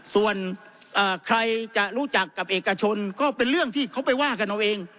ส่วนใครจะรู้จักกับเอกชนก็เป็นเรื่องที่เขาไปว่ากันเอาเอง